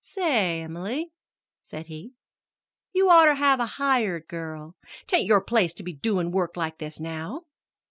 "Say, Emily," said he, "you'd oughter have a hired girl. 'T ain't your place to be doin' work like this now."